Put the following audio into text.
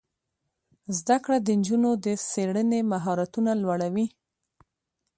زده کړه د نجونو د څیړنې مهارتونه لوړوي.